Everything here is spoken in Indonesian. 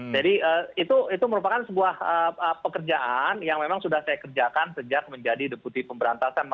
jadi itu merupakan sebuah pekerjaan yang memang sudah saya kerjakan sejak menjadi deputi pemberantasan